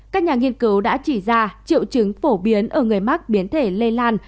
các nhà nghiên cứu đã chỉ ra triệu chứng phổ biến ở người mắc biến thể lây lan